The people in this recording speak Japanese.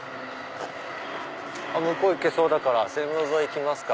向こう行けそうだから線路沿い行きますか。